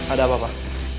ada apa pak